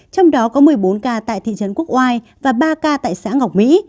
trong đó có một mươi bốn ca tại thị trấn quốc oai và ba ca tại xã ngọc mỹ